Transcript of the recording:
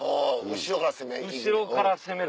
後ろから攻めるんです。